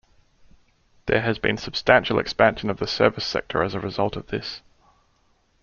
There has been substantial expansion of the service sector as a result of this.